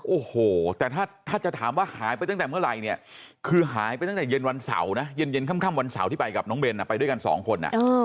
โอ้โหแต่ถ้าจะถามว่าหายไปตั้งแต่เมื่อไหร่เนี่ยคือหายไปตั้งแต่เย็นวันเสาร์นะเย็นค่ำวันเสาร์ที่ไปกับน้องเบนไปด้วยกันสองคน